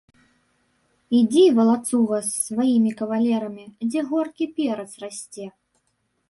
Ідзі, валацуга, з сваімі кавалерамі, дзе горкі перац расце.